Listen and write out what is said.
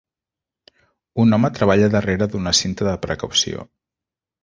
Un home treballa darrere d'una cinta de precaució.